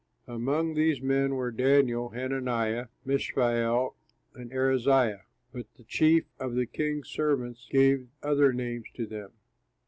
Among these young men were: Daniel, Hananiah, Mishael, and Azariah; but the chief of the king's servants gave other names to them.